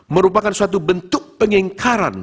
merupakan suatu bentuk pengingkaran